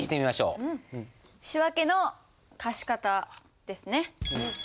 仕訳の貸方ですね。